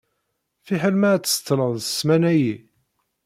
Fiḥel ad d-tseṭṭleḍ ssmana-yi.